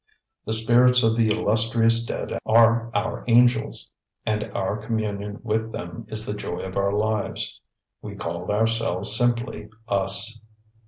The spirits of the illustrious dead are our angels; and our communion with them is the joy of our lives. We call ourselves simply Us.